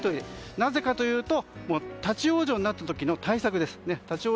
なぜかというと立ち往生になった時の対策です。